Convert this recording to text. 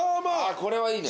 これはいいね。